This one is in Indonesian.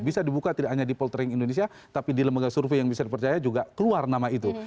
bisa dibuka tidak hanya di poltering indonesia tapi di lembaga survei yang bisa dipercaya juga keluar nama itu